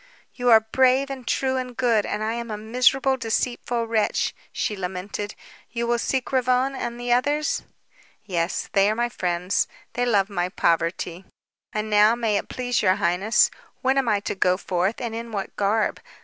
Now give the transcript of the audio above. "You are brave and true and good, and I am a miserable, deceitful wretch," she lamented. "You will seek Ravone and the others?" "Yes. They are my friends. They love my poverty. And now, may it please your highness, when am I to go forth and in what garb?